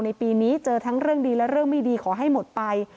ปีนี้เจอทั้งเรื่องดีและเรื่องไม่ดีขอให้หมดไป